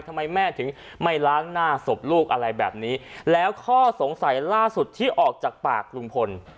ทำไมแม่ถึงไม่ล้างหน้าศพลูกอะไรแบบนี้แล้วข้อสงสัยล่าสุดที่ออกจากปากลุงพล